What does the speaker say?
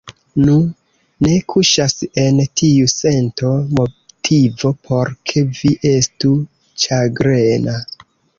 Nu, ne kuŝas en tiu sento motivo, por ke vi estu ĉagrena.